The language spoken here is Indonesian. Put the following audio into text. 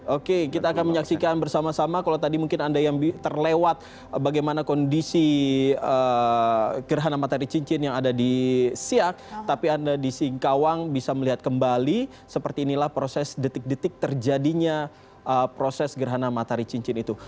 oke kita akan menyaksikan bersama sama kalau tadi mungkin anda yang terlewat bagaimana kondisi gerhana matahari cincin yang ada di siak tapi anda di singkawang bisa melihat kembali seperti inilah proses detik detik terjadinya proses gerhana matahari cincin itu